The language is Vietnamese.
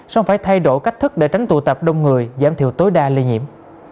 song phải thay đổi cách thức để tránh tụ tập đông người giảm thiểu tối đa lây nhiễm